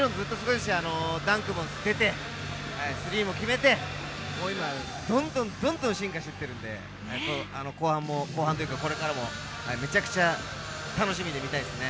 ダンクも出て、スリーも決めて、今どんどんどんと進化していってるので後半というか、これからもめちゃくちゃ楽しんで見たいですね。